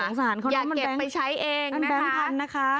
สงสารเขาน้องมันแบงค์พันธุ์นะคะอย่าเก็บไปใช้เองนะคะ